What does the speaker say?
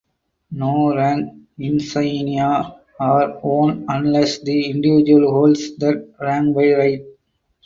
No rank insignia are worn unless the individual holds that rank by right.